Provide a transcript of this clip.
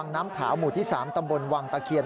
น้ำขาวหมู่ที่๓ตำบลวังตะเคียน